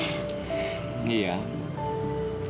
tidak ada apa apa